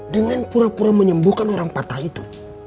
dengan pura pura menyembuhkan orang patah itu